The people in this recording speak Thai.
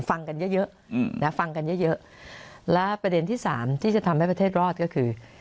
ฟังกันเยอะเยอะนะฟังกันเยอะเยอะและประเด็นที่สามที่จะทำให้ประเทศรอดก็คือ